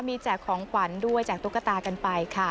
มีแจกของขวัญด้วยแจกตุ๊กตากันไปค่ะ